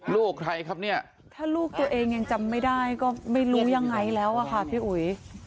ลูกใครครับเนี่ยถ้าลูกตัวเองยังจำไม่ได้ก็ไม่รู้ยังไงแล้วอะค่ะพี่อุ๋ย